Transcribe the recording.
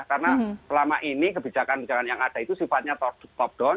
karena selama ini kebijakan kebijakan yang ada itu sifatnya top down